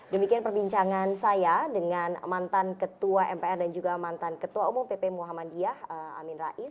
demikian perbincangan saya dengan mantan ketua mpr dan juga mantan ketua umum pp muhammadiyah amin rais